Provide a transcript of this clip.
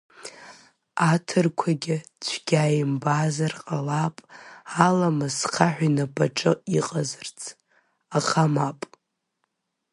Аҭырқәагьы цәгьа имбазар ҟалап алмас хаҳә инапаҿы иҟазарц, аха мап.